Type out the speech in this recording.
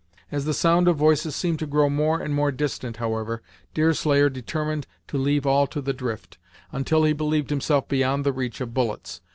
As the sound of voices seemed to grow more and more distant, however, Deerslayer determined to leave all to the drift, until he believed himself beyond the reach of bullets.